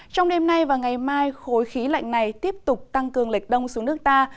trong đêm nay và ngày mai khối khí lạnh này tiếp tục tăng cường lệch đông xuống nước ta